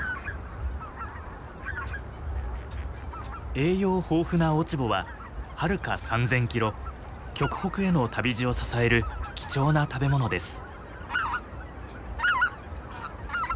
栄養豊富な落ち穂ははるか３千キロ極北への旅路を支える貴重な食べ物です。